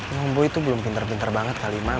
emang boy itu belum pinter pinter banget kalimah